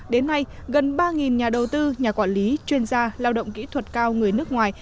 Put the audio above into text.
đến nay gần ba nhà đầu tư nhà quản lý chuyên gia lao động kỹ thuật cao người nước ngoài